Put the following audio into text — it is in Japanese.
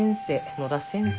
野田先生。